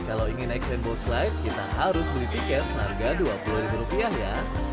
kalau ingin naik rainbow slide kita harus beli tiket seharga dua puluh ribu rupiah ya